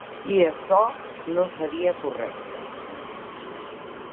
I açò no seria correcte.